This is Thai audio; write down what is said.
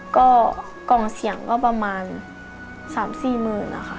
ก็กล่องเสียงก็ประมาณ๓๔หมื่นนะคะ